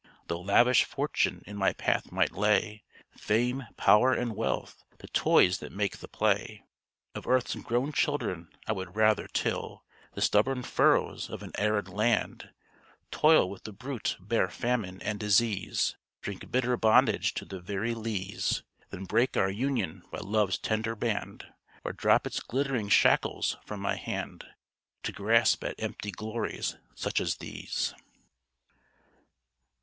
Though lavish fortune in my path might lay Fame, power, and wealth, the toys that make the play Of earth's grown children, I would rather till The stubborn furrows of an arid land, Toil with the brute, bear famine and disease, Drink bitter bondage to the very lees, Than break our union by love's tender band, Or drop its glittering shackles from my hand, To grasp at empty glories such as these.